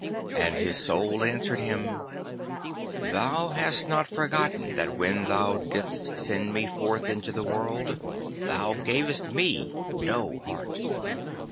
And his Soul answered him, 'Thou hast not forgotten that when thou didst send me forth into the world thou gavest me no heart.